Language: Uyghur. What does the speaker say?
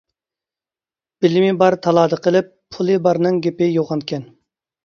بىلىمى بار تالادا قېلىپ، پۇلى بارنىڭ گېپى يوغانكەن.